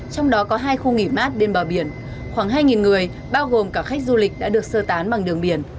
trong đó có hai khu nghỉ mát bên bờ biển khoảng hai người bao gồm cả khách du lịch đã được sơ tán bằng đường biển